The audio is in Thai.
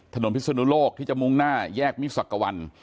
พิศนุโลกที่จะมุ่งหน้าแยกมิสักวัน